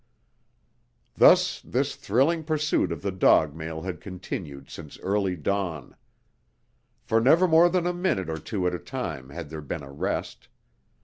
Thus this thrilling pursuit of the dog mail had continued since early dawn. For never more than a minute or two at a time had there been a rest.